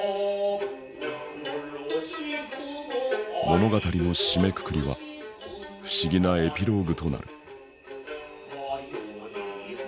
物語の締めくくりは不思議なエピローグとなる。